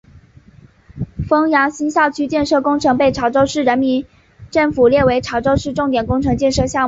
枫洋新校区建设工程被潮州市人民政府列为潮州市重点工程建设项目。